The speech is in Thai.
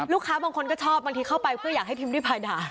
ลูกค้าบางคนก็ชอบบางทีเค้าไปเพื่ออยากให้พิมพ์ได้ไปด่า